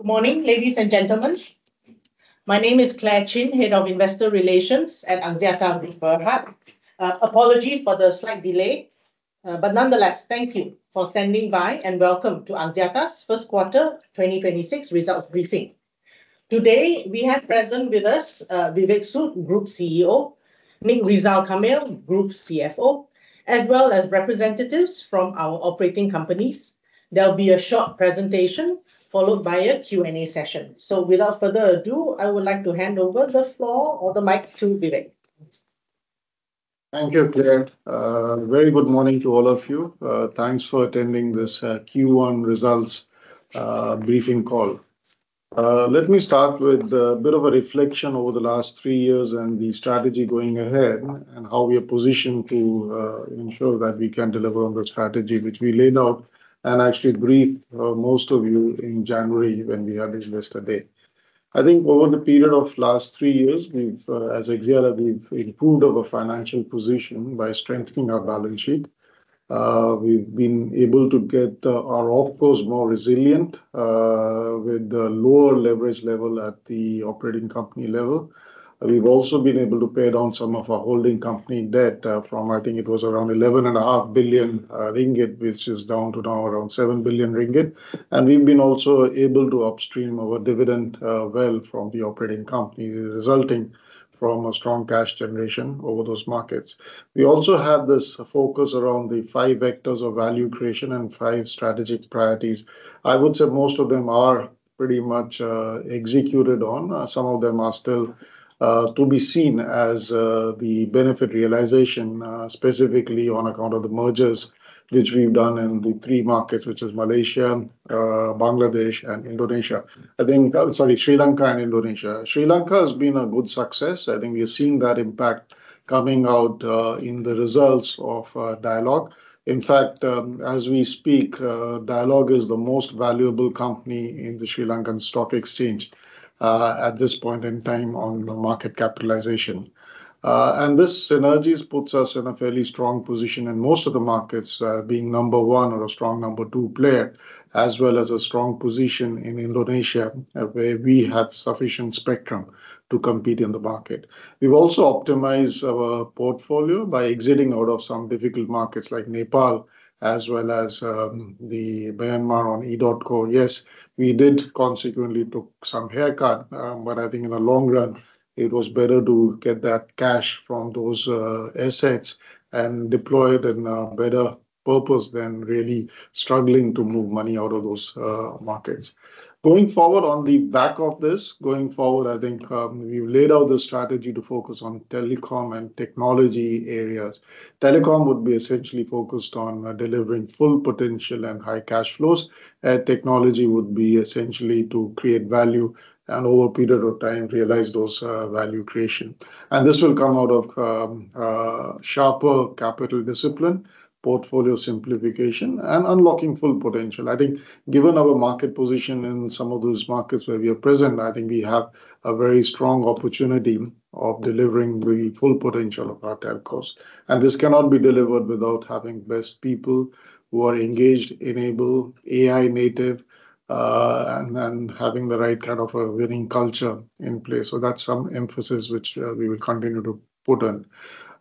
Good morning, ladies and gentlemen. My name is Clare Chin, Head of Investor Relations at Axiata Group Berhad. Apologies for the slight delay. Nonetheless, thank you for standing by, and welcome to Axiata's first quarter 2026 results briefing. Today, we have present with us, Vivek Sood, Group CEO, Nik Rizal Kamil, Group CFO, as well as representatives from our operating companies. There'll be a short presentation followed by a Q&A session. Without further ado, I would like to hand over the floor or the mic to Vivek. Thank you, Clare. A very good morning to all of you. Thanks for attending this Q1 results briefing call. Let me start with a bit of a reflection over the last three years and the strategy going ahead, and how we are positioned to ensure that we can deliver on the strategy which we laid out and actually briefed most of you in January when we had Investor Day. I think over the period of last three years, as Axiata, we've improved our financial position by strengthening our balance sheet. We've been able to get our OpCos more resilient, with the lower leverage level at the operating company level. We've also been able to pay down some of our holding company debt from, I think it was around 11.5 billion ringgit, which is down to now around 7 billion ringgit. We've been also able to upstream our dividend well from the operating companies, resulting from a strong cash generation over those markets. We also have this focus around the five vectors of value creation and five strategic priorities. I would say most of them are pretty much executed on. Some of them are still to be seen as the benefit realization, specifically on account of the mergers which we've done in the three markets, which is Malaysia, Bangladesh, and Indonesia. I think Sorry, Sri Lanka and Indonesia. Sri Lanka has been a good success. I think we are seeing that impact coming out in the results of Dialog. In fact, as we speak, Dialog is the most valuable company in the Sri Lankan stock exchange at this point in time on the market capitalization. This synergies puts us in a fairly strong position in most of the markets, being number one or a strong number two player, as well as a strong position in Indonesia, where we have sufficient spectrum to compete in the market. We've also optimized our portfolio by exiting out of some difficult markets like Nepal as well as the Myanmar on EDOTCO. Yes, we did consequently took some haircut, but I think in the long run, it was better to get that cash from those assets and deploy it in a better purpose than really struggling to move money out of those markets. Going forward, on the back of this, going forward, I think we've laid out the strategy to focus on telecom and technology areas. Telecom would be essentially focused on delivering full potential and high cash flows. Technology would be essentially to create value, and over a period of time, realize those value creation. This will come out of sharper capital discipline, portfolio simplification, and unlocking full potential. I think given our market position in some of those markets where we are present, I think we have a very strong opportunity of delivering the full potential of our telcos. This cannot be delivered without having best people who are engaged, enabled, AI native, and having the right kind of a winning culture in place. That's some emphasis which we will continue to put in.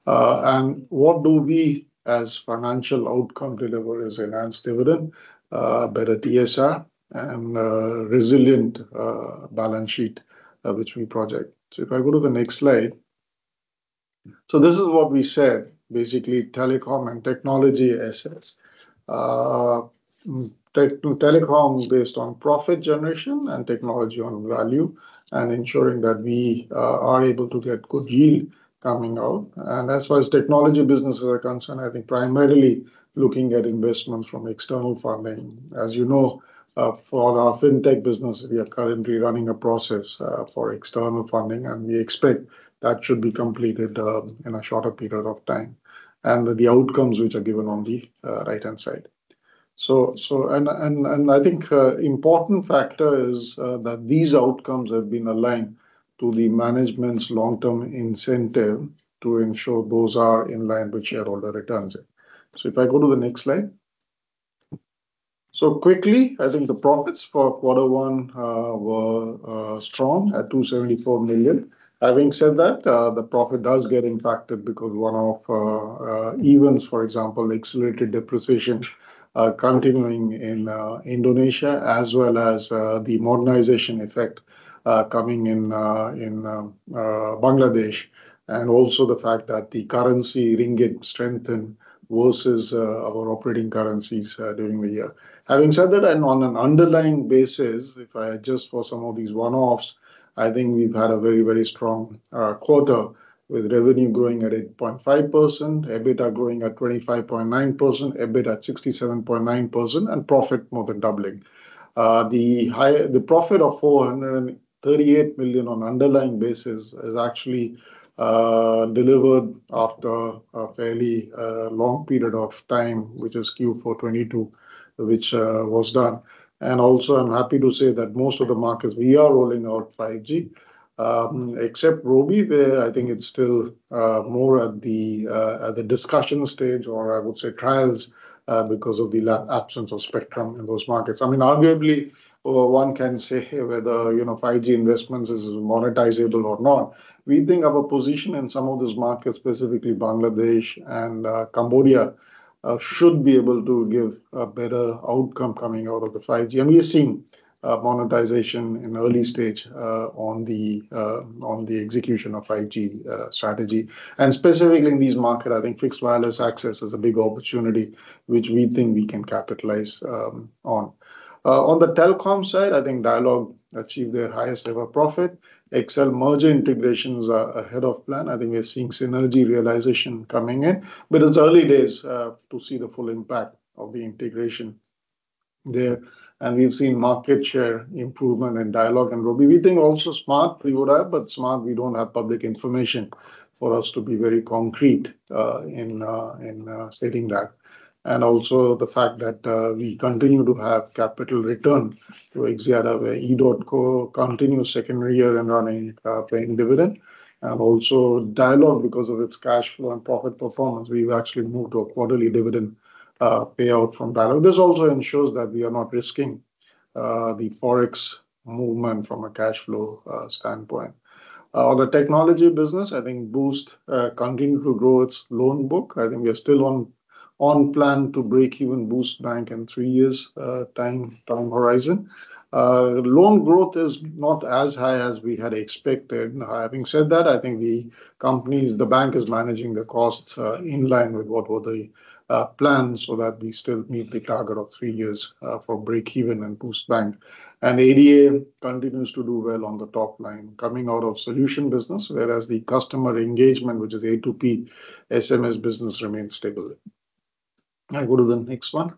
What do we, as financial outcome deliver is enhanced dividend, better TSR, and a resilient balance sheet, which we project. If I go to the next slide. This is what we said, basically telecom and technology assets. Telecom is based on profit generation and technology on value, ensuring that we are able to get good yield coming out. As far as technology businesses are concerned, I think primarily looking at investments from external funding. As you know, for our fintech business, we are currently running a process for external funding, we expect that should be completed in a shorter period of time. The outcomes which are given on the right-hand side. I think important factor is that these outcomes have been aligned to the management's long-term incentive to ensure those are in line with shareholder returns. If I go to the next slide. Quickly, I think the profits for quarter one were strong at 274 million. Having said that, the profit does get impacted because one-off events, for example, accelerated depreciation continuing in Indonesia as well as the modernization effect coming in Bangladesh, and also the fact that the currency ringgit strengthened versus our operating currencies during the year. Having said that, and on an underlying basis, if I adjust for some of these one-offs, I think we've had a very strong quarter, with revenue growing at 8.5%, EBITDA growing at 25.9%, EBIT at 67.9%, and profit more than doubling. The profit of 438 million on underlying basis is actually delivered after a fairly long period of time, which is Q4 2022, which was done. Also, I'm happy to say that most of the markets, we are rolling out 5G, except Robi, where I think it's still more at the discussion stage or I would say trials, because of the absence of spectrum in those markets. I mean, arguably, one can say whether 5G investments is monetizable or not. We think our position in some of those markets, specifically Bangladesh and Cambodia, should be able to give a better outcome coming out of the 5G. We are seeing monetization in early stage on the execution of 5G strategy. Specifically in this market, I think fixed wireless access is a big opportunity which we think we can capitalize on. On the telecom side, I think Dialog achieved their highest ever profit. XL merger integrations are ahead of plan. I think we are seeing synergy realization coming in. It's early days to see the full impact of the integration there. We've seen market share improvement in Dialog and Robi. We think also Smart we would have, but Smart, we don't have public information for us to be very concrete in stating that. Also the fact that we continue to have capital return through Axiata, where EDOTCO continue second year in running, paying dividend. Also Dialog, because of its cash flow and profit performance, we've actually moved to a quarterly dividend payout from Dialog. This also ensures that we are not risking the Forex movement from a cash flow standpoint. On the technology business, I think Boost continue to grow its loan book. I think we are still on plan to break even Boost Bank in three years time horizon. Loan growth is not as high as we had expected. Having said that, I think the bank is managing the costs in line with what were the plans so that we still meet the target of three years for breakeven in Boost Bank. ADA continues to do well on the top line coming out of solution business, whereas the customer engagement, which is A2P SMS business, remains stable. Can I go to the next one?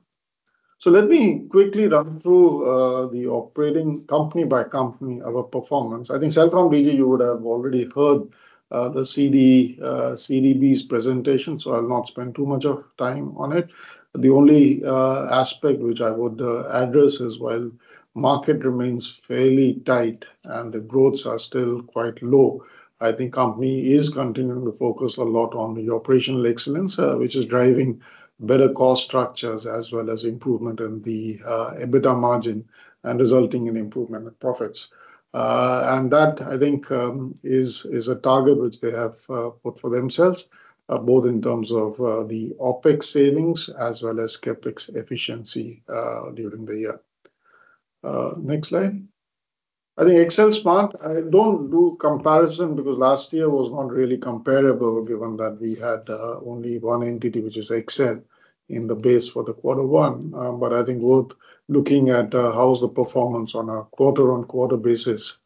Let me quickly run through the operating company by company, our performance. I think CelcomDigi, you would have already heard the CDB's presentation, so I'll not spend too much of time on it. The only aspect which I would address is while market remains fairly tight and the growths are still quite low, I think company is continuing to focus a lot on the operational excellence, which is driving better cost structures as well as improvement in the EBITDA margin and resulting in improvement in profits. That, I think, is a target which they have put for themselves, both in terms of the OpEx savings as well as CapEx efficiency during the year. Next slide. I think XLSMART, I don't do comparison because last year was not really comparable given that we had only one entity, which is XL, in the base for the quarter one. Worth looking at how is the performance on a quarter-on-quarter basis,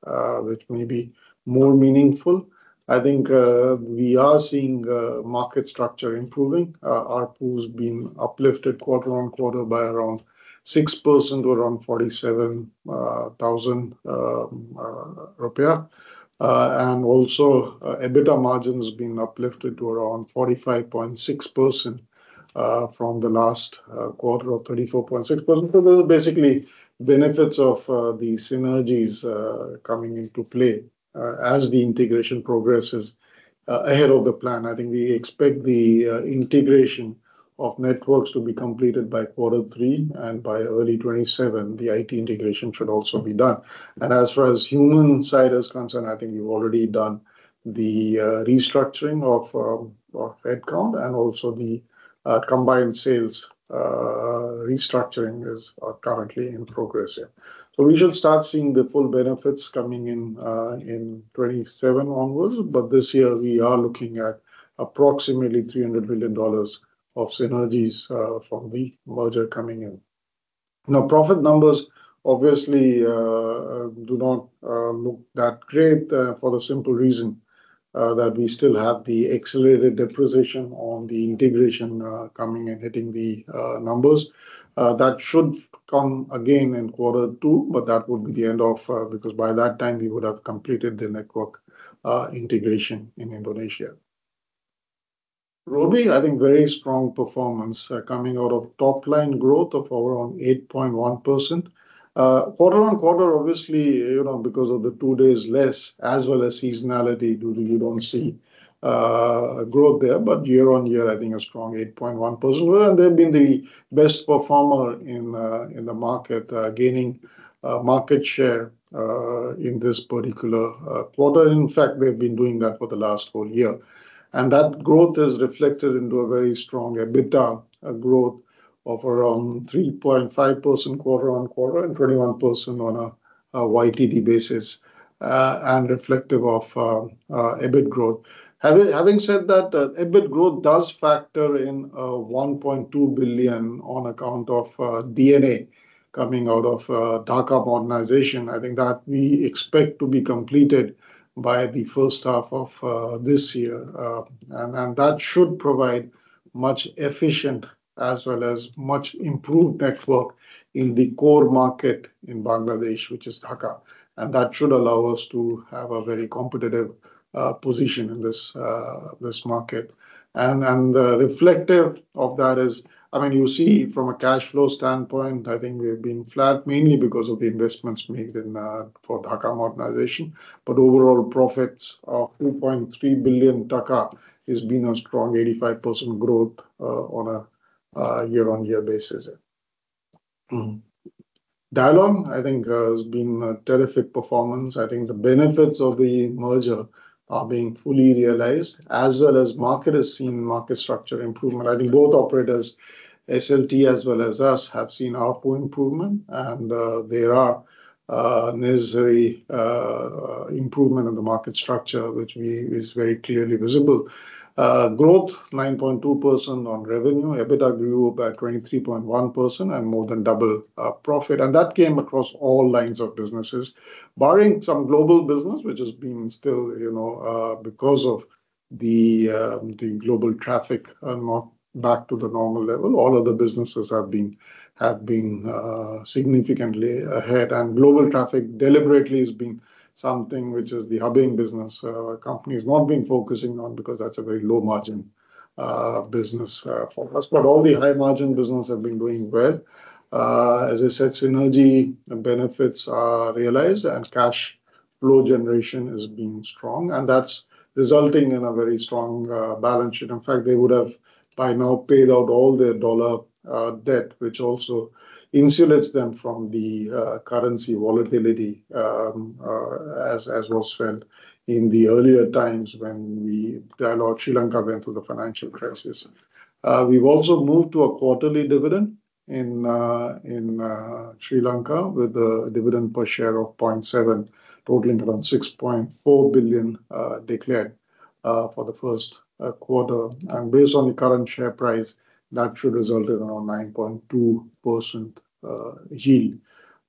which may be more meaningful. I think we are seeing market structure improving. ARPU's been uplifted quarter on quarter by around 6% to around 47,000 rupiah. Also, EBITDA margin's been uplifted to around 45.6% from the last quarter of 34.6%. Those are basically benefits of the synergies coming into play as the integration progresses ahead of the plan. I think we expect the integration of networks to be completed by quarter three, and by early 2027, the IT integration should also be done. As far as human side is concerned, I think we've already done the restructuring of headcount and also the combined sales restructuring is currently in progress, yeah. We should start seeing the full benefits coming in 2027 onwards, but this year we are looking at approximately MYR 300 million of synergies from the merger coming in. Profit numbers obviously do not look that great for the simple reason that we still have the accelerated depreciation on the integration coming and hitting the numbers. That should come again in quarter two, that would be because by that time, we would have completed the network integration in Indonesia. Robi, I think very strong performance coming out of top line growth of around 8.1%. Quarter on quarter, obviously, because of the two days less as well as seasonality, you don't see growth there. Year-on-year, I think a strong 8.1%, and they've been the best performer in the market, gaining market share in this particular quarter. In fact, we've been doing that for the last whole year. That growth is reflected into a very strong EBITDA growth of around 3.5% quarter-on-quarter and 21% on a YTD basis, and reflective of EBIT growth. Having said that, EBIT growth does factor in BDT 1.2 billion on account of D&A coming out of Dhaka modernization. I think that we expect to be completed by the first half of this year. That should provide much efficient as well as much improved network in the core market in Bangladesh, which is Dhaka. That should allow us to have a very competitive position in this market. Reflective of that is, you see from a cash flow standpoint, I think we've been flat mainly because of the investments made for Dhaka modernization. Overall profits of BDT 2.3 billion has been a strong 85% growth on a year-on-year basis. Dialog, I think has been a terrific performance. I think the benefits of the merger are being fully realized as well as market has seen market structure improvement. I think both operators, SLT as well as us, have seen ARPU improvement and there are necessary improvement in the market structure, which is very clearly visible. Growth, 9.2% on revenue. EBITDA grew by 23.1% and more than double profit. That came across all lines of businesses. Barring some global business, which has been still, because of the global traffic not back to the normal level, all of the businesses have been significantly ahead. Global traffic deliberately has been something which is the hubbing business our company has not been focusing on because that's a very low margin business for us. All the high margin business have been doing well. As I said, synergy benefits are realized and cash flow generation has been strong, and that's resulting in a very strong balance sheet. In fact, they would have by now paid out all their USD debt, which also insulates them from the currency volatility, as was felt in the earlier times when Dialog went through the financial crisis. We've also moved to a quarterly dividend in Sri Lanka with a dividend per share of LKR 0.7, totaling around LKR 6.4 billion declared for the first quarter. Based on the current share price, that should result in around 9.2% yield.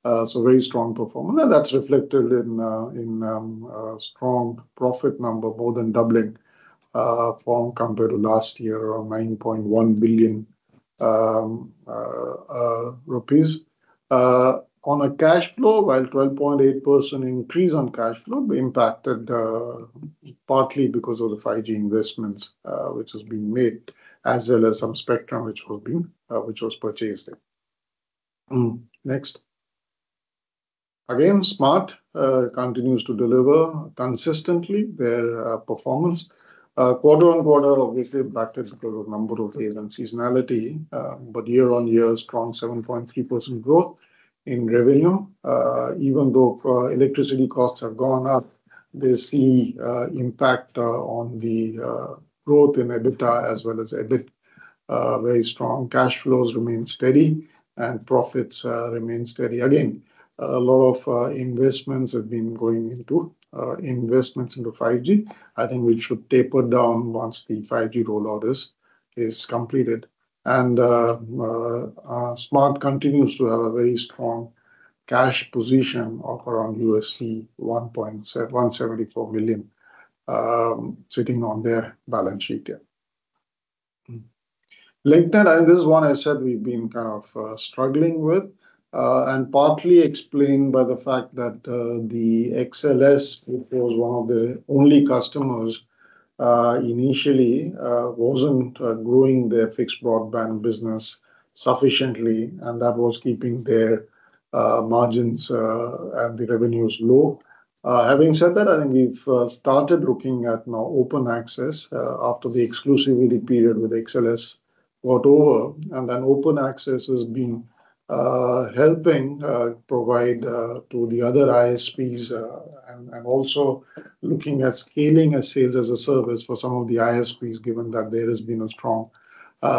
Very strong performance. That's reflected in strong profit number, more than doubling from compared to last year, around LKR 9.1 billion. On a cash flow, while 12.8% increase on cash flow impacted partly because of the 5G investments which has been made, as well as some spectrum which was purchased there. Next. Smart continues to deliver consistently their performance. Quarter-on-quarter, obviously impacted because of number of phase and seasonality, but year-on-year, strong 7.3% growth in revenue. Even though electricity costs have gone up, they see impact on the growth in EBITDA as well as EBIT. Very strong cash flows remain steady and profits remain steady. A lot of investments have been going into investments into 5G. I think we should taper down once the 5G rollout is completed. Smart continues to have a very strong cash position of around $1.74 billion sitting on their balance sheet there. Link Net. This is one I said we've been kind of struggling with, and partly explained by the fact that the XL, which was one of the only customers initially, wasn't growing their fixed broadband business sufficiently, and that was keeping their margins and the revenues low. Having said that, I think we've started looking at now open access after the exclusivity period with XLS got over. Open access has been helping provide to the other ISPs, and also looking at scaling as sales as a service for some of the ISPs, given that there has been a strong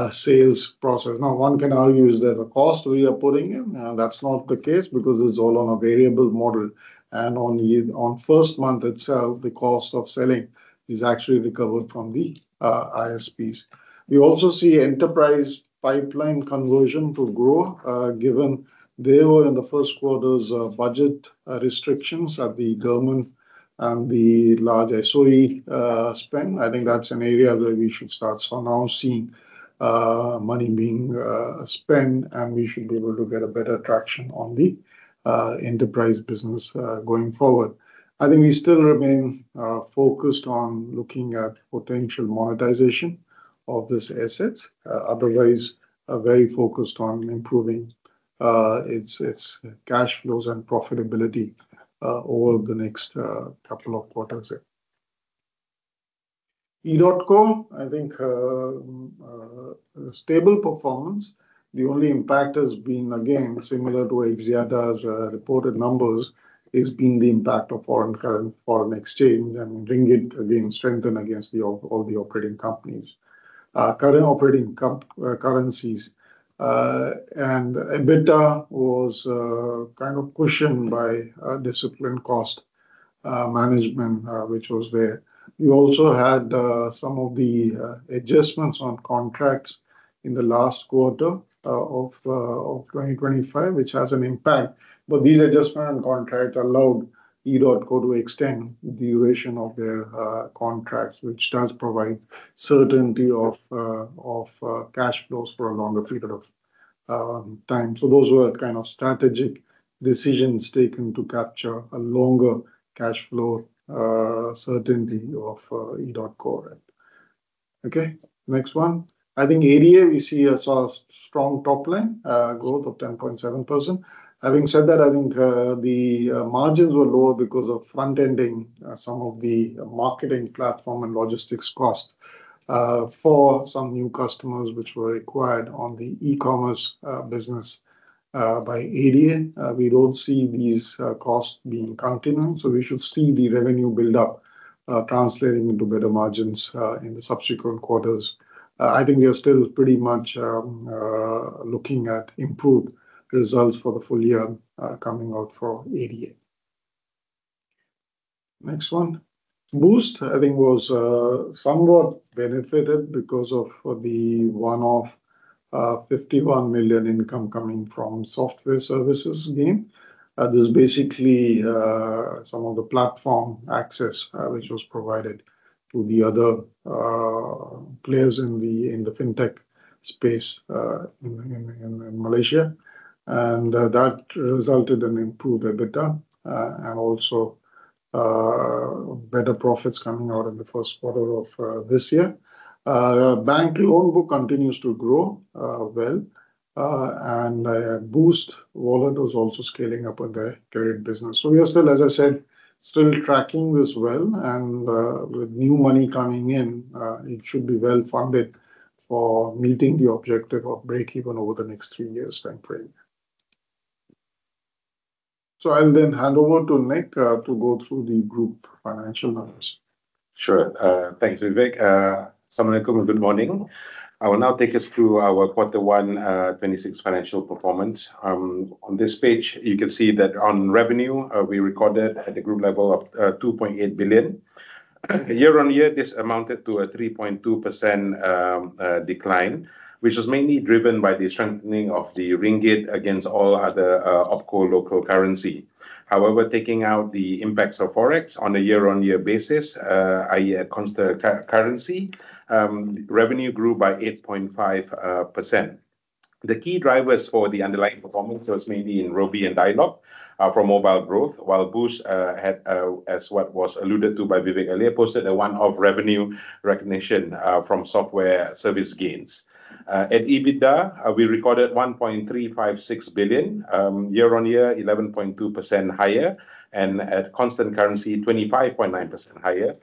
sales process. One can argue, is there a cost we are putting in? No, that's not the case because it's all on a variable model. On first month itself, the cost of selling is actually recovered from the ISPs. We also see enterprise pipeline conversion to grow, given they were in the first quarter's budget restrictions at the government and the large SOE spend. I think that's an area where we should start now seeing money being spent, and we should be able to get a better traction on the enterprise business going forward. I think we still remain focused on looking at potential monetization of these assets. Otherwise, are very focused on improving its cash flows and profitability over the next couple of quarters there. EDOTCO, I think stable performance. The only impact has been, again, similar to Axiata's reported numbers, is been the impact of foreign exchange and ringgit again strengthen against all the operating companies. Current operating currencies and EBITDA was kind of cushioned by disciplined cost management which was there. We also had some of the adjustments on contracts in the last quarter of 2025, which has an impact. These adjustment on contract allowed EDOTCO to extend the duration of their contracts, which does provide certainty of cash flows for a longer period of time. Those were kind of strategic decisions taken to capture a longer cash flow certainty of EDOTCO. Okay, next one. I think ADA, we see a strong top line growth of 10.7%. Having said that, I think the margins were lower because of front-ending some of the marketing platform and logistics cost for some new customers, which were acquired on the e-commerce business by ADA. We don't see these costs being continual, we should see the revenue build-up translating into better margins in the subsequent quarters. I think we are still pretty much looking at improved results for the full year coming out for ADA. Next one. Boost, I think, was somewhat benefited because of the one-off 51 million income coming from software services gain. This is basically some of the platform access which was provided to the other players in the fintech space in Malaysia. That resulted in improved EBITDA, and also better profits coming out in the first quarter of this year. Bank loan book continues to grow well, and Boost wallet was also scaling up their credit business. We are, as I said, still tracking this well, and with new money coming in, it should be well-funded for meeting the objective of break-even over the next three years timeframe. I'll then hand over to Nik to go through the group financial numbers. Sure. Thanks, Vivek. Assalamualaikum, good morning. I will now take us through our quarter one 2026 financial performance. On this page, you can see that on revenue, we recorded at the group level of 2.8 billion. Year-on-year, this amounted to a 3.2% decline, which was mainly driven by the strengthening of the ringgit against all other OpCo local currency. Taking out the impacts of Forex on a year-on-year basis, i.e. constant currency, revenue grew by 8.5%. The key drivers for the underlying performance was mainly in Robi and Dialog for mobile growth, while Boost, as what was alluded to by Vivek earlier, posted a one-off revenue recognition from software service gains. At EBITDA, we recorded 1.356 billion, year-on-year, 11.2% higher, and at constant currency, 25.9% higher.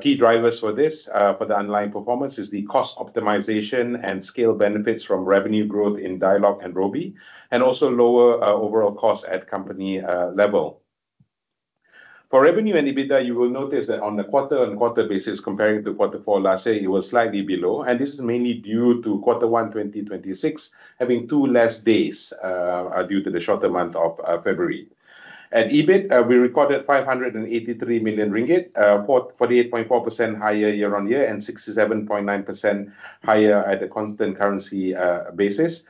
Key drivers for the underlying performance is the cost optimization and scale benefits from revenue growth in Dialog and Robi, and also lower overall cost at company level. For revenue and EBITDA, you will notice that on a quarter-on-quarter basis comparing to quarter four last year, it was slightly below, and this is mainly due to quarter one 2026 having two less days due to the shorter month of February. At EBIT, we recorded 583 million ringgit, 48.4% higher year-on-year and 67.9% higher at a constant currency basis.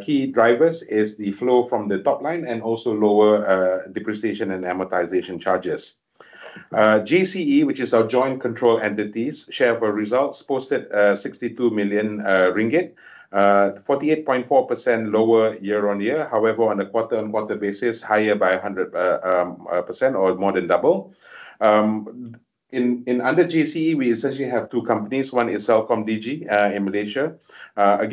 Key drivers is the flow from the top line and also lower Depreciation and Amortization charges. JCE, which is our joint control entities, share of results posted 62 million ringgit, 48.4% lower year-on-year. On a quarter-on-quarter basis, higher by 100% or more than double. Under JCE, we essentially have two companies. One is CelcomDigi in Malaysia. I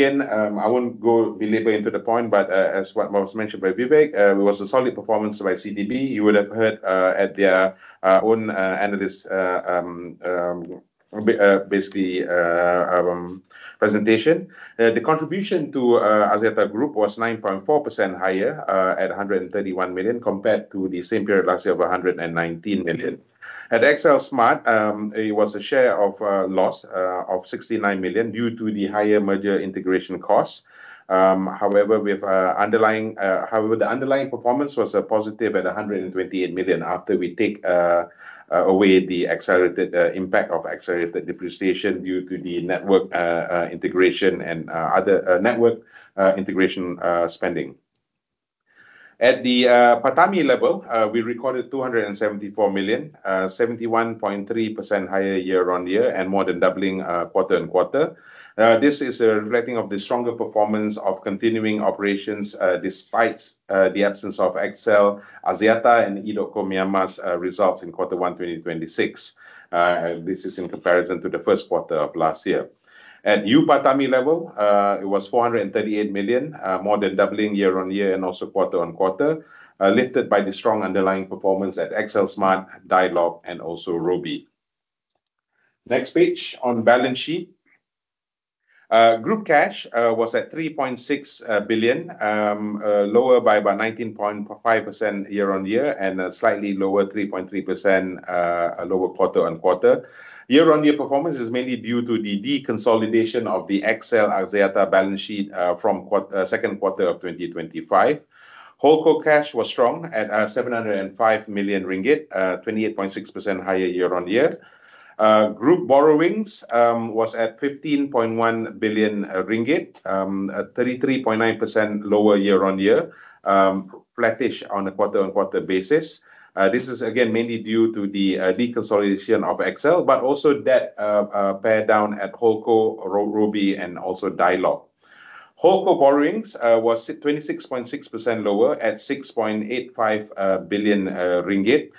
won't go belabor into the point, but as what was mentioned by Vivek, it was a solid performance by CelcomDigi. You would have heard at their own analyst presentation. The contribution to Axiata Group was 9.4% higher at 131 million compared to the same period last year of 119 million. At XLSMART, it was a share of loss of 69 million due to the higher merger integration costs. However, the underlying performance was positive at 128 million after we take away the accelerated impact of accelerated depreciation due to the network integration and other network integration spending. At the PATAMI level, we recorded 274 million, 71.3% higher year-on-year, and more than doubling quarter-on-quarter. This is a reflecting of the stronger performance of continuing operations despite the absence of XL Axiata and EDOTCO Myanmar's results in quarter one 2026. This is in comparison to the first quarter of last year. At underlying PATAMI level, it was 438 million, more than doubling year-on-year and also quarter-on-quarter, lifted by the strong underlying performance at XLSMART, Dialog, and also Robi. Next page, on balance sheet. Group cash was at 3.6 billion, lower by about 19.5% year-on-year and a slightly lower 3.3% lower quarter-on-quarter. Year-on-year performance is mainly due to the deconsolidation of the XL Axiata balance sheet from second quarter of 2025. HoldCo cash was strong at 705 million ringgit, 28.6% higher year-on-year. Group borrowings was at 15.1 billion ringgit, 33.9% lower year-on-year, flattish on a quarter-on-quarter basis. This is again, mainly due to the deconsolidation of XL, but also debt paydown at HoldCo, Robi, and also Dialog. HoldCo borrowings was 26.6% lower at 6.85 billion ringgit.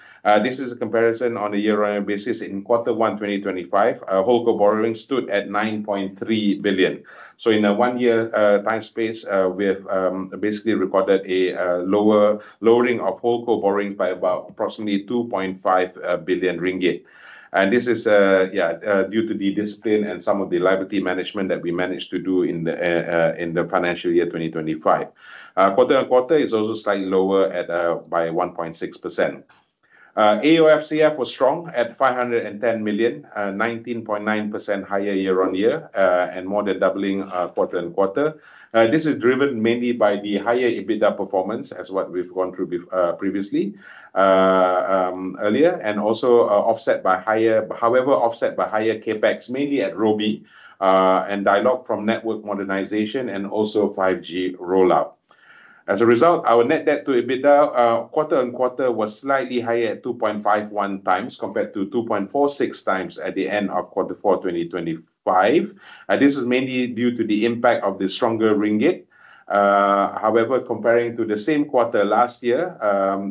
This is a comparison on a year-on-year basis. In quarter one 2025, HoldCo borrowing stood at 9.3 billion. In a one-year time space, we have basically reported a lowering of HoldCo borrowing by about approximately 2.5 billion ringgit. This is due to the discipline and some of the liability management that we managed to do in the financial year 2025. Quarter-on-quarter is also slightly lower by 1.6%. AOFCF was strong at 510 million, 19.9% higher year-on-year, and more than doubling quarter-on-quarter. This is driven mainly by the higher EBITDA performance as what we've gone through previously, earlier, however, offset by higher CapEx, mainly at Robi and Dialog from network modernization and also 5G rollout. As a result, our net debt to EBITDA quarter-on-quarter was slightly higher at 2.51 times compared to 2.46 times at the end of quarter four 2025. This is mainly due to the impact of the stronger ringgit. Comparing to the same quarter last year,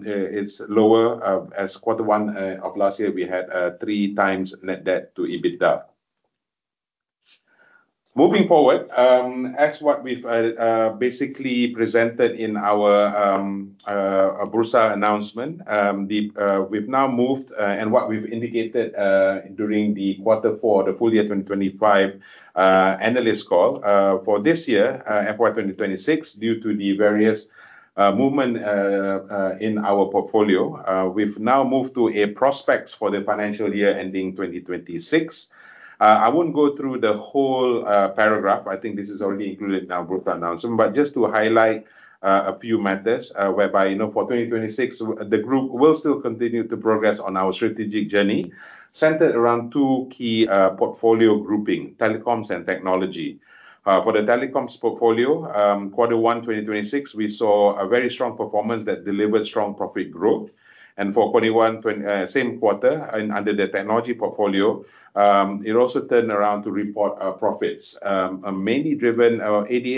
it's lower as quarter one of last year, we had three times net debt to EBITDA. Moving forward, as what we've basically presented in our Bursa announcement, we've now moved, and what we've indicated, during the quarter four, the full year 2025 analyst call. For this year, FY 2026, due to the various movement in our portfolio, we've now moved to a prospects for the financial year ending 2026. I won't go through the whole paragraph. I think this is already included in our group announcement. Just to highlight a few matters, whereby for 2026, the group will still continue to progress on our strategic journey, centered around two key portfolio grouping, telecoms and technology. For the telecoms portfolio, quarter one 2026, we saw a very strong performance that delivered strong profit growth. For same quarter and under the technology portfolio, it also turned around to report our profits. ADA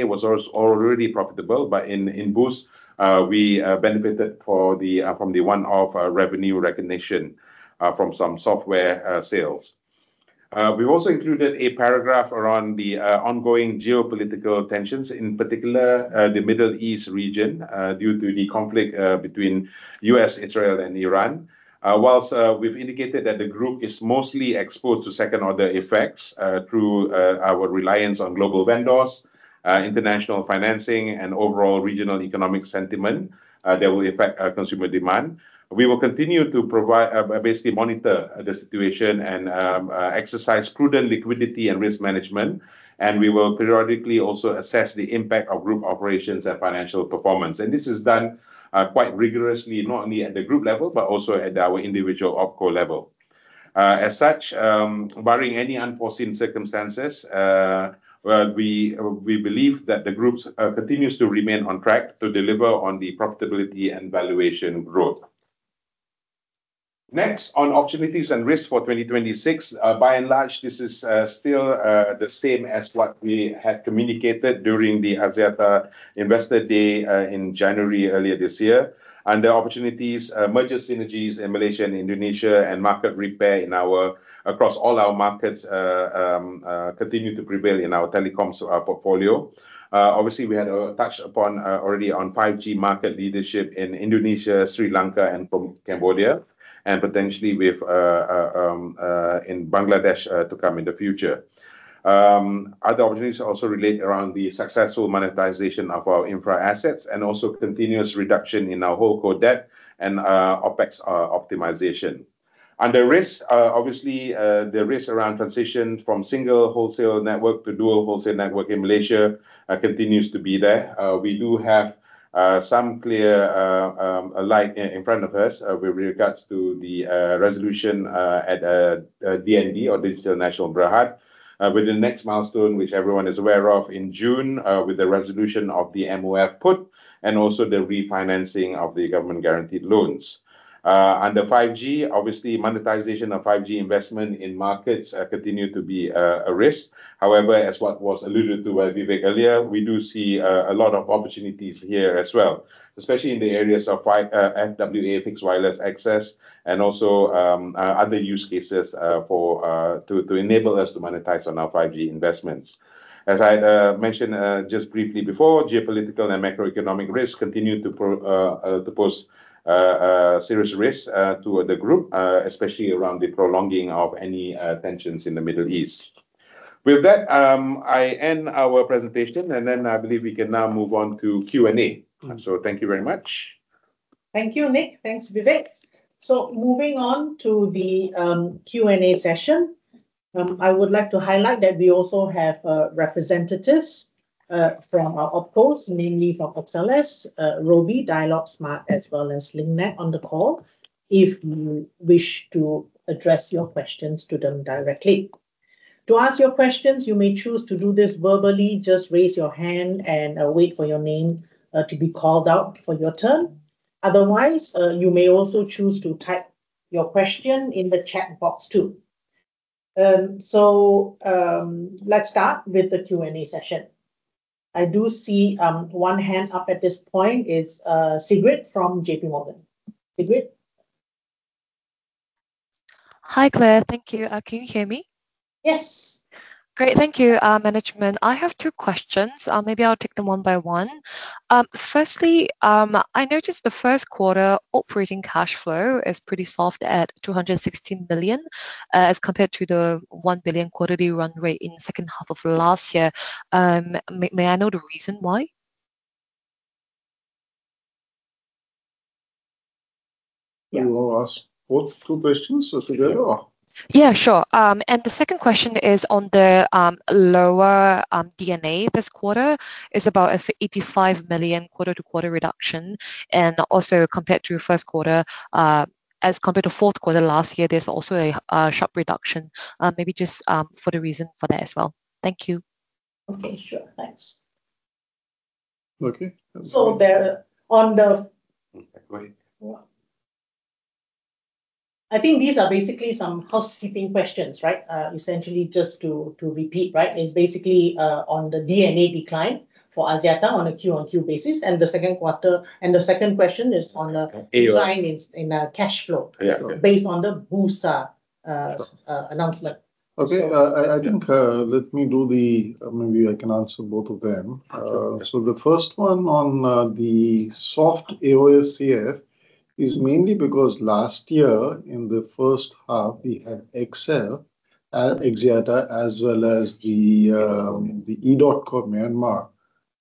was already profitable, but in Boost, we benefited from the one-off revenue recognition from some software sales. We've also included a paragraph around the ongoing geopolitical tensions, in particular, the Middle East region, due to the conflict between U.S., Israel, and Iran. Whilst we've indicated that the group is mostly exposed to second-order effects through our reliance on global vendors, international financing, and overall regional economic sentiment that will affect consumer demand, we will continue to basically monitor the situation and exercise prudent liquidity and risk management, and we will periodically also assess the impact of group operations and financial performance. This is done quite rigorously, not only at the group level, but also at our individual OpCo level. As such, barring any unforeseen circumstances, we believe that the groups continues to remain on track to deliver on the profitability and valuation growth. On opportunities and risks for 2026, by and large, this is still the same as what we had communicated during the Axiata Analyst & Investor Day in January earlier this year. Under opportunities, merger synergies in Malaysia and Indonesia and market repair across all our markets continue to prevail in our telecoms portfolio. We had touched upon already on 5G market leadership in Indonesia, Sri Lanka, and Cambodia, and potentially in Bangladesh to come in the future. Other opportunities also relate around the successful monetization of our infra assets and also continuous reduction in our whole core debt and OpEx optimization. Under risk, obviously, the risk around transition from single wholesale network to dual wholesale network in Malaysia continues to be there. We do have some clear light in front of us with regards to the resolution at DNB or Digital Nasional Berhad. With the next milestone, which everyone is aware of, in June, with the resolution of the MOF Put Option, and also the refinancing of the government-guaranteed loans. Under 5G, obviously, monetization of 5G investment in markets continue to be a risk. However, as what was alluded to by Vivek earlier, we do see a lot of opportunities here as well, especially in the areas of FWA fixed wireless access and also other use cases to enable us to monetize on our 5G investments. As I mentioned just briefly before, geopolitical and macroeconomic risks continue to pose serious risks to the group, especially around the prolonging of any tensions in the Middle East. With that, I end our presentation. I believe we can now move on to Q&A. Thank you very much. Thank you, Nik. Thanks, Vivek. Moving on to the Q&A session. I would like to highlight that we also have representatives from our OpCos, namely from XLS, Robi, Dialog, Smart, as well as Link Net on the call, if you wish to address your questions to them directly. To ask your questions, you may choose to do this verbally, just raise your hand and wait for your name to be called out for your turn. Otherwise, you may also choose to type your question in the chat box, too. Let's start with the Q&A session. I do see one hand up at this point. It's Sigrid from JP Morgan. Sigrid? Hi, Clare. Thank you. Can you hear me? Yes. Great. Thank you, management. I have two questions. Maybe I'll take them one by one. Firstly, I noticed the first quarter operating cash flow is pretty soft at 216 million, as compared to the 1 billion quarterly run rate in second half of last year. May I know the reason why? You ask both two questions together or? Yeah, sure. The second question is on the lower D&A this quarter. It is about a 85 million quarter-to-quarter reduction, and also compared to first quarter, as compared to fourth quarter last year, there is also a sharp reduction. Maybe just for the reason for that as well. Thank you. Okay, sure. Thanks. Okay. So on the- I think these are basically some housekeeping questions, right? Essentially just to repeat, right? It's basically on the D&A decline for Axiata on a Q-on-Q basis. And the second question is the decline in cash flow. Yeah. Okay. based on the Bursa announcement. Okay. I think maybe I can answer both of them. The first one on the soft AOFCF is mainly because last year in the first half, we had XL Axiata, as well as the EDOTCO Myanmar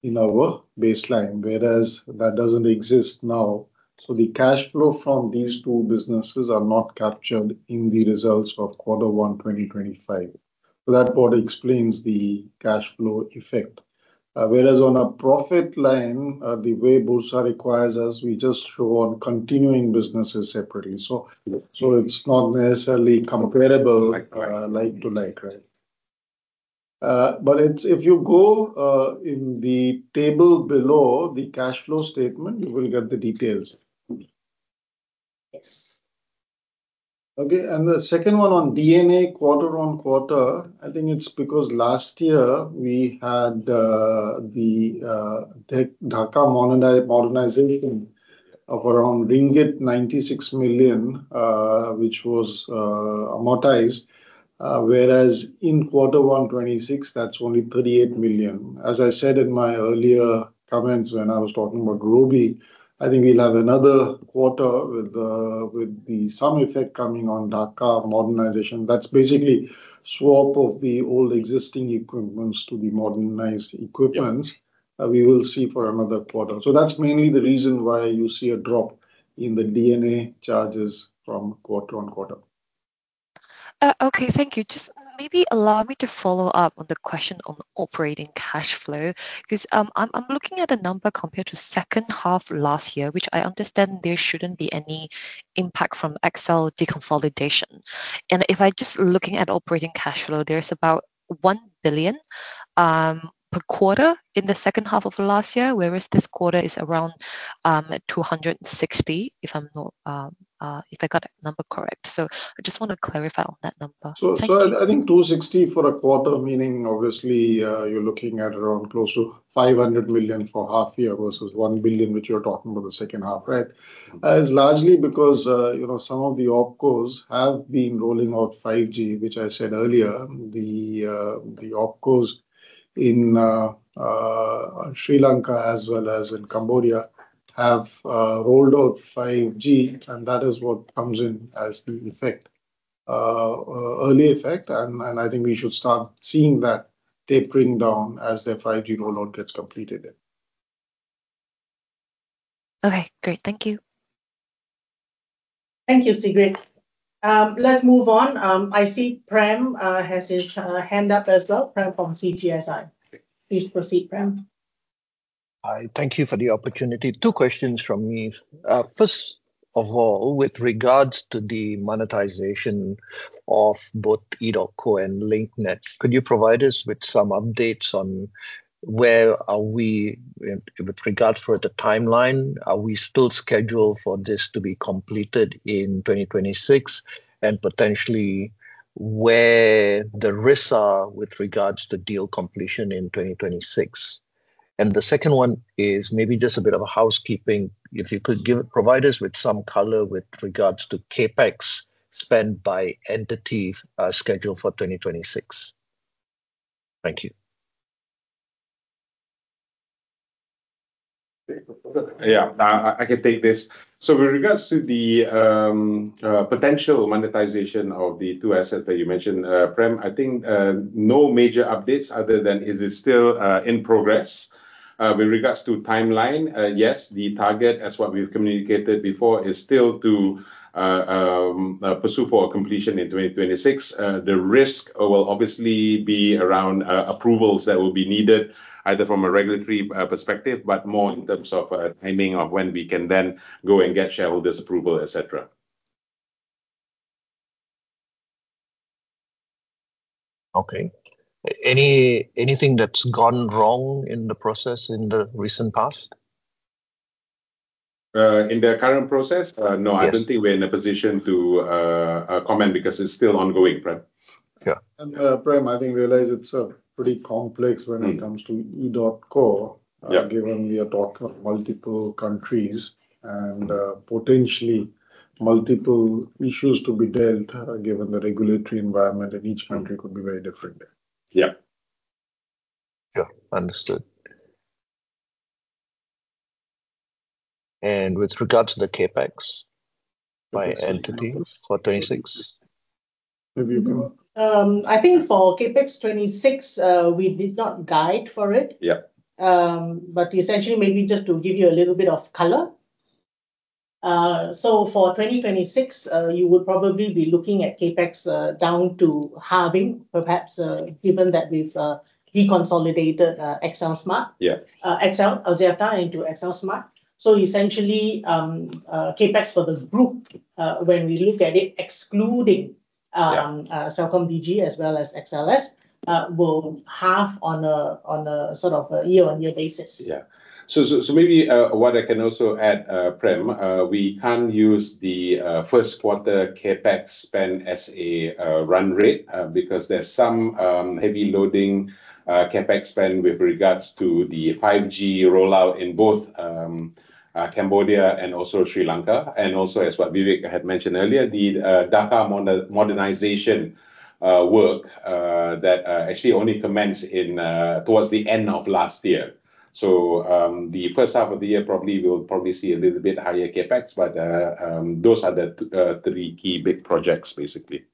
in our baseline, whereas that doesn't exist now. The cash flow from these two businesses are not captured in the results of quarter one 2025. That's what explains the cash flow effect. On a profit line, the way Bursa requires us, we just show on continuing businesses separately. It's not necessarily comparable like to like, right? If you go in the table below the cash flow statement, you will get the details. Yes. The second one on D&A quarter-on-quarter, I think it's because last year we had the Dhaka modernization of around ringgit 96 million, which was amortized. Whereas in Q1 2026, that's only 38 million. As I said in my earlier comments when I was talking about Robi, I think we'll have another quarter with some effect coming on Dhaka modernization. That's basically swap of the old existing equipments to the modernized equipments. We will see for another quarter. That's mainly the reason why you see a drop in the D&A charges from quarter-on-quarter. Okay, thank you. Just maybe allow me to follow up on the question on operating cash flow. I am looking at the number compared to second half last year, which I understand there shouldn't be any impact from XL deconsolidation. If I am just looking at operating cash flow, there is about 1 billion per quarter in the second half of last year, whereas this quarter is around at 260 million, if I got that number correct. I just want to clarify on that number. Thank you. I think 260 million for a quarter, meaning obviously, you're looking at around close to 500 million for half year versus 1 billion, which you're talking about the second half, right? Is largely because some of the OpCos have been rolling out 5G, which I said earlier. The OpCos in Sri Lanka as well as in Cambodia have rolled out 5G, and that is what comes in as the early effect, and I think we should start seeing that tapering down as their 5G rollout gets completed. Okay, great. Thank you. Thank you, Sigrid. Let's move on. I see Prem has his hand up as well. Prem from CGS-CIMB. Please proceed, Prem. Hi. Thank you for the opportunity. Two questions from me. First of all, with regards to the monetization of both EDOTCO and Link Net, could you provide us with some updates on where are we with regard for the timeline? Are we still scheduled for this to be completed in 2026, and potentially where the risks are with regards to deal completion in 2026? The second one is maybe just a bit of a housekeeping. If you could provide us with some color with regards to CapEx spend by entity scheduled for 2026. Thank you. Yeah. I can take this. With regards to the potential monetization of the two assets that you mentioned, Prem, I think no major updates other than it is still in progress. With regards to timeline, yes, the target, as what we've communicated before, is still to pursue for a completion in 2026. The risk will obviously be around approvals that will be needed, either from a regulatory perspective, but more in terms of timing of when we can then go and get shareholders' approval, et cetera. Okay. Anything that's gone wrong in the process in the recent past? In their current process? No. Yes. I don't think we're in a position to comment because it's still ongoing, Prem. Yeah. Prem, I think, realize it's pretty complex when it comes to EDOTCO. Yeah. Given we are talking of multiple countries and potentially multiple issues to be dealt, given the regulatory environment in each country could be very different. Yeah. Yeah. Understood. With regards to the CapEx by entity for 2026? I think for CapEx 2026, we did not guide for it. Yeah. Essentially, maybe just to give you a little bit of color. For 2026, you would probably be looking at CapEx down to halving, perhaps, given that we've reconsolidated XLSMART. Yeah. XL Axiata into XLSMART. Essentially, CapEx for the group, when we look at it, excluding- Yeah CelcomDigi as well as XL, will halve on a year-on-year basis. Yeah. Maybe what I can also add, Prem, we can't use the first quarter CapEx spend as a run rate, because there's some heavy loading CapEx spend with regards to the 5G rollout in both Cambodia and also Sri Lanka. Also, as what Vivek had mentioned earlier, the data modernization work that actually only commenced towards the end of last year. The first half of the year, we'll probably see a little bit higher CapEx, but those are the three key big projects, basically.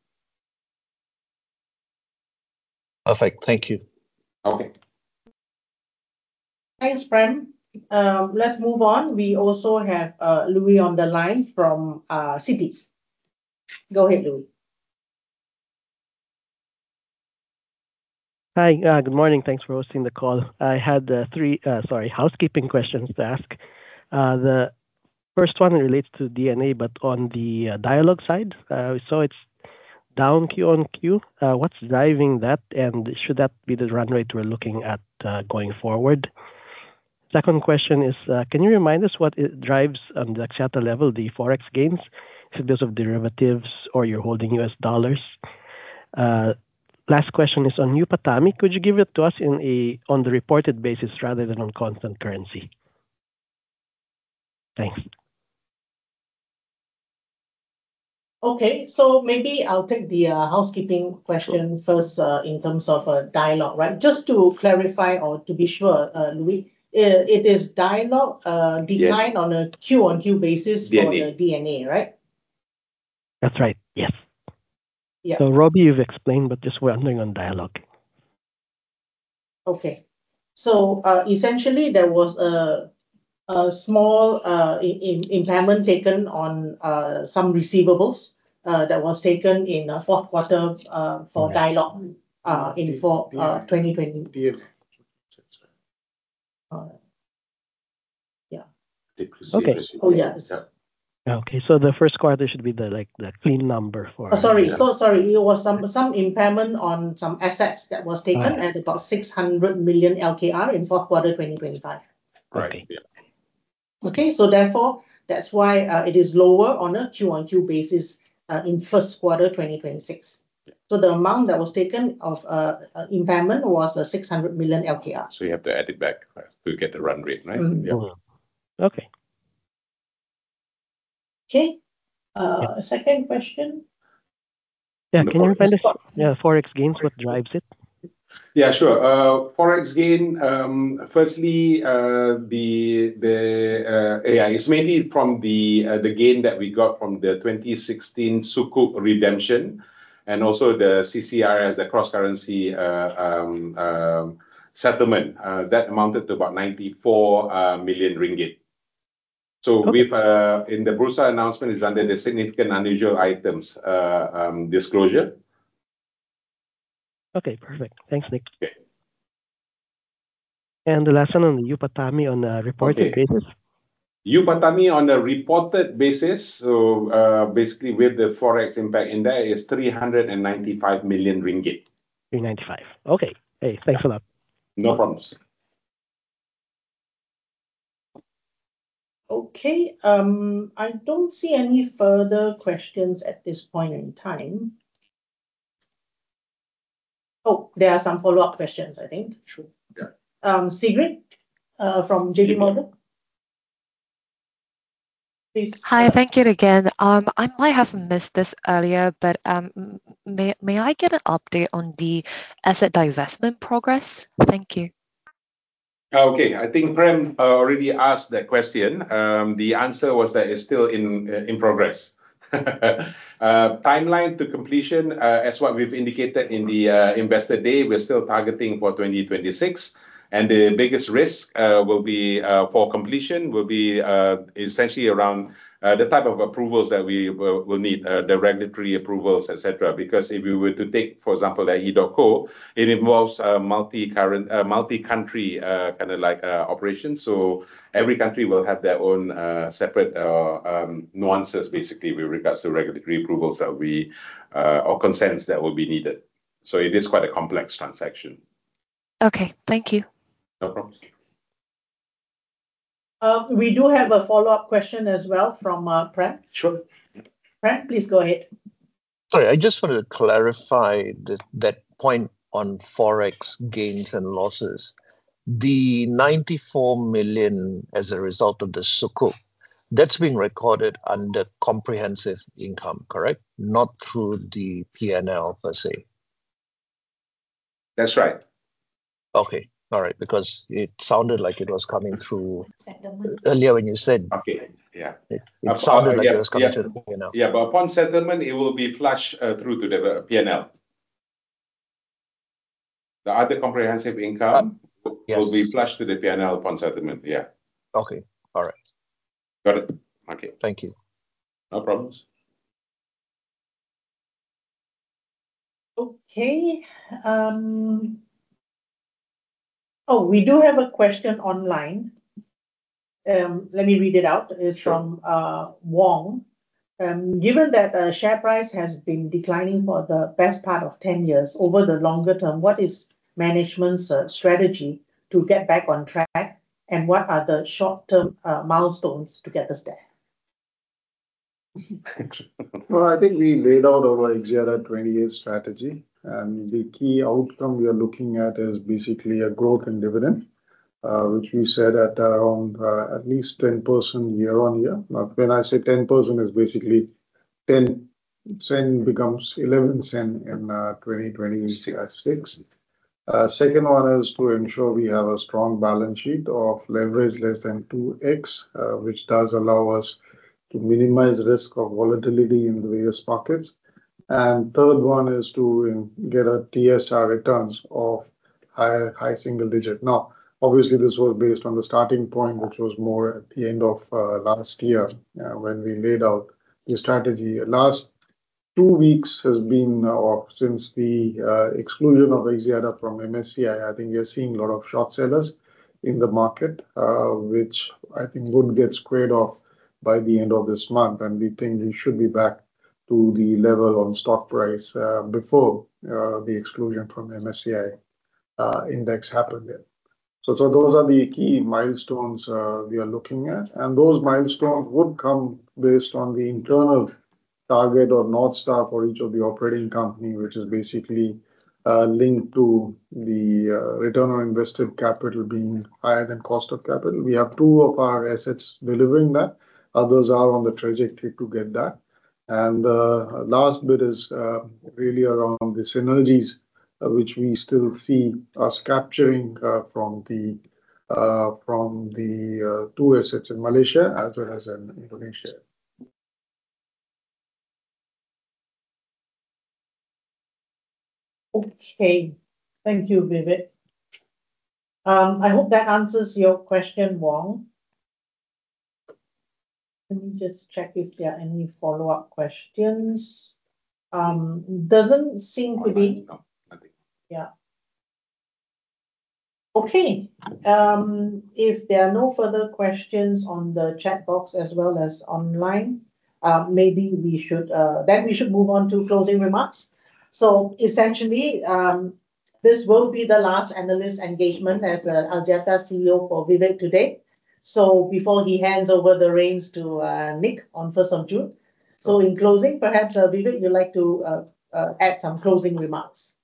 Perfect. Thank you. Okay. Thanks, Prem. Let's move on. We also have Louis on the line from Citi. Go ahead, Louis. Hi. Good morning. Thanks for hosting the call. I had three, sorry, housekeeping questions to ask. The first one relates to D&A, but on the Dialog side. We saw it's down Q on Q. What's driving that, and should that be the run rate we're looking at going forward? Second question is, can you remind us what drives, on the Axiata level, the Forex gains? Is it because of derivatives or you're holding US dollars? Last question is on underlying PATAMI. Could you give it to us on the reported basis rather than on constant currency? Thank you. Okay. Maybe I'll take the housekeeping question first in terms of Dialog, right? Just to clarify or to be sure, Louis, it is Dialog declined on a Q-on-Q basis. for the D&A, right? That's right, yes. Yeah. Robi you've explained, but just we're wondering on Dialog? Okay. Essentially, there was a small impairment taken on some receivables that was taken in fourth quarter for Dialog in for 2020. DF. All right. Yeah. Decrease in receivables. Oh, yeah. Okay. The first quarter should be the clean number for. Sorry. It was some impairment on some assets that was taken. All right. about LKR 600 million in fourth quarter 2025. Right. Okay, yeah. Okay, therefore, that's why it is lower on a Q on Q basis in first quarter 2026. The amount that was taken of impairment was LKR 600 million. You have to add it back to get the run rate, right? Yeah. Okay. Okay. Second question. Yeah. Can you remind us, Forex gains, what drives it? Yeah, sure. Forex gain. Firstly, it's mainly from the gain that we got from the 2016 Sukuk redemption and also the CCIS, the cross-currency settlement. That amounted to about 94 million ringgit. In the Bursa announcement, it is under the significant unusual items disclosure. Okay, perfect. Thanks, Nik. Okay. The last one on underlying PATAMI on a reported basis. New PATAMI on a reported basis. Basically with the Forex impact in there is 395 million ringgit. 395, okay. Hey, thanks a lot. No problems. Okay. I don't see any further questions at this point in time. Oh, there are some follow-up questions, I think. Sure. Okay. Sigrid from JP Morgan. Please. Hi. Thank you again. I might have missed this earlier, but may I get an update on the asset divestment progress? Thank you. Okay. I think Prem already asked that question. The answer was that it's still in progress. Timeline to completion, as what we've indicated in the Investor Day, we're still targeting for 2026. The biggest risk for completion will be essentially around the type of approvals that we will need, the regulatory approvals, et cetera. If we were to take, for example, EDOTCO, it involves a multi-country operation. Every country will have their own separate nuances, basically, with regards to regulatory approvals or consents that will be needed. It is quite a complex transaction. Okay. Thank you. No problem. We do have a follow-up question as well from Prem. Sure. Prem, please go ahead. Sorry, I just wanted to clarify that point on Forex gains and losses. The 94 million as a result of the Sukuk, that is being recorded under comprehensive income, correct? Not through the P&L, per se. That's right. Okay. All right. It sounded like it was coming through the P&L. Yeah, upon settlement, it will be flushed through to the P&L. The other comprehensive income, it will be flushed to the P&L upon settlement. Yeah. Okay. All right. Got it. Okay. Thank you. No problems. Okay. Oh, we do have a question online. Let me read it out. It is from Wong. Given that the share price has been declining for the best part of 10 years, over the longer term, what is management's strategy to get back on track, and what are the short-term milestones to get us there? I think we laid out our Axiata28 strategy. The key outcome we are looking at is basically a growth in dividend, which we said at around at least 10% year-on-year. When I say 10%, it's basically 0.10 becomes 0.11 in 2026. Second one is to ensure we have a strong balance sheet of leverage less than 2x, which does allow us to minimize risk of volatility in the various pockets. Third one is to get a TSR returns of high-single digit. Obviously, this was based on the starting point, which was more at the end of last year when we laid out the strategy. Last two weeks has been off since the exclusion of Axiata from MSCI. I think we are seeing a lot of short sellers in the market, which I think would get squared off by the end of this month. We think we should be back to the level on stock price before the exclusion from MSCI index happened there. Those are the key milestones we are looking at, and those milestones would come based on the internal target or north star for each of the operating company, which is basically linked to the return on invested capital being higher than cost of capital. We have two of our assets delivering that. Others are on the trajectory to get that. The last bit is really around the synergies which we still see us capturing from the two assets in Malaysia as well as in Indonesia. Okay. Thank you, Vivek. I hope that answers your question, Wong. Let me just check if there are any follow-up questions. Doesn't seem to be. Nothing. Okay. If there are no further questions on the chat box as well as online, then we should move on to closing remarks. Essentially, this will be the last analyst engagement as Axiata CEO for Vivek today before he hands over the reins to Nik on 1st of June. In closing, perhaps, Vivek, you would like to add some closing remarks?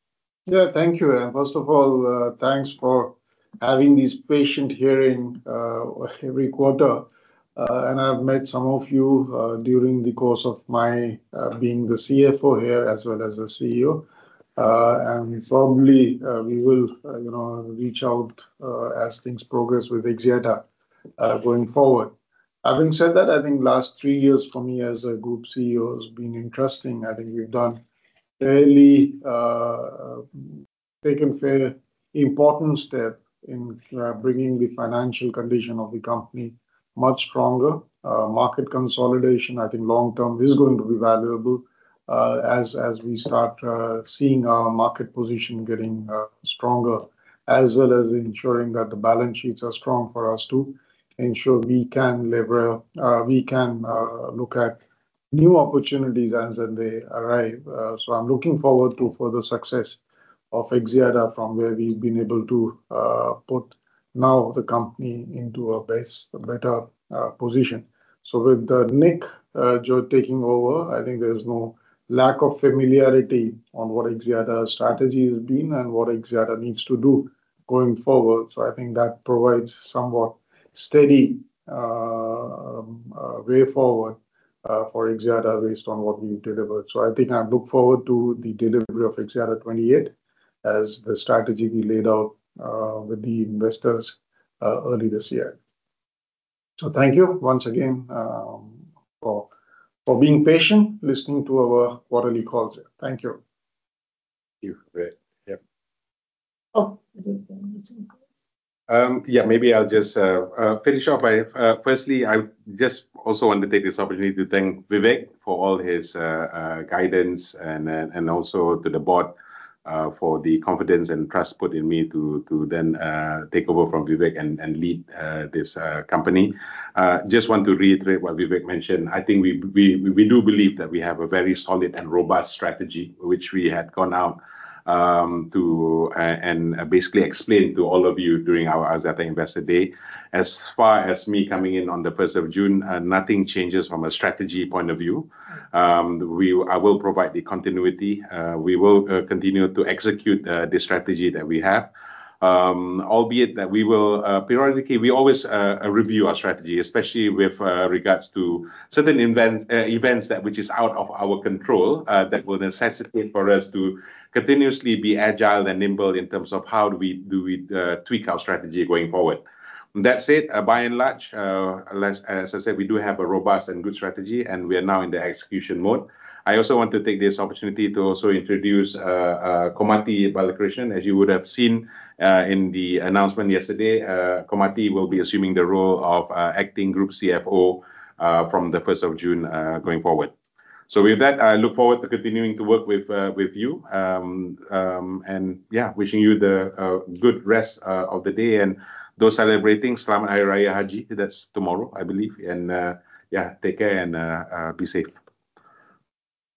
Thank you. First of all, thanks for having this patient hearing every quarter. I've met some of you during the course of my being the CFO here as well as the CEO. Formally, we will reach out as things progress with Axiata going forward. Having said that, I think the last three years for me as a Group CEO has been interesting. I think we've really taken fair important step in bringing the financial condition of the company much stronger. Market consolidation, I think long term, is going to be valuable as we start seeing our market position getting stronger, as well as ensuring that the balance sheets are strong for us to ensure we can look at new opportunities as and when they arrive. I'm looking forward to further success of Axiata from where we've been able to put now the company into a better position. With Nik taking over, I think there's no lack of familiarity on what Axiata's strategy has been and what Axiata needs to do going forward. I think that provides somewhat steady way forward for Axiata based on what we've delivered. I think I look forward to the delivery of Axiata28 as the strategy we laid out with the investors early this year. Thank you once again for being patient, listening to our quarterly calls. Thank you. Thank you, Vivek. Yeah. Oh. [inaudible] Yeah, maybe I'll just finish off by, firstly, I just also want to take this opportunity to thank Vivek for all his guidance and also to the board for the confidence and trust put in me to then take over from Vivek and lead this company. Just want to reiterate what Vivek mentioned. I think we do believe that we have a very solid and robust strategy, which we had gone out and basically explained to all of you during our Axiata Investor Day. As far as me coming in on the 1st of June, nothing changes from a strategy point of view. I will provide the continuity. We will continue to execute the strategy that we have, albeit that we will periodically, we always review our strategy, especially with regards to certain events which is out of our control that will necessitate for us to continuously be agile and nimble in terms of how do we tweak our strategy going forward. That said, by and large, as I said, we do have a robust and good strategy, and we are now in the execution mode. I also want to take this opportunity to also introduce Komathi Balakrishnan. As you would have seen in the announcement yesterday, Komathi will be assuming the role of acting Group CFO from the 1st of June going forward. With that, I look forward to continuing to work with you. Yeah, wishing you the good rest of the day, and those celebrating, Selamat Hari Raya Haji. That's tomorrow, I believe. Yeah, take care and be safe.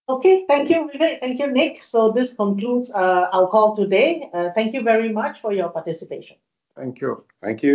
Okay. Thank you, Vivek. Thank you, Nik. This concludes our call today. Thank you very much for your participation. Thank you. Thank you.